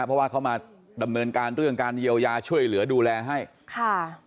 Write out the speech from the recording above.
เพราะว่าเขามาดำเนินการเรื่องการเยียวยาช่วยเหลือดูแลให้ค่ะ